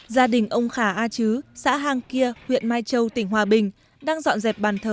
gia đình ông khà a chứ xã hang kia huyện mai châu tỉnh hòa bình đang dọn dẹp bàn thờ